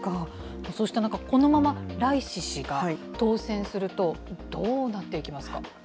そうした中、このままライシ氏が当選すると、どうなっていきますか。